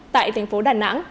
tại thành phố đà nẵng